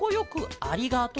「ありがとう！」。